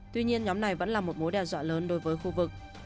tuy nhiên nhóm này vẫn là một mối đe dọa lớn đối với khu vực